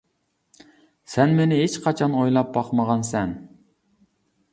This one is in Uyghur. سەن مېنى ھېچقاچان ئويلاپ باقمىغان سەن.